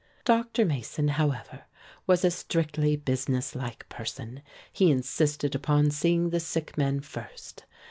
Dr. Mason, however, was a strictly business like person. He insisted upon seeing the sick men first.